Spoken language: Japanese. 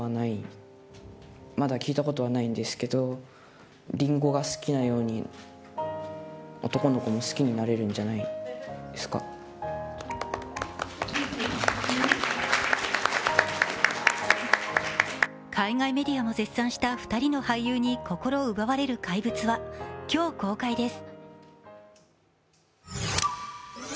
カンヌでの記者会見では海外メディアも絶賛した２人の俳優に心を奪われる「怪物」は今日公開です。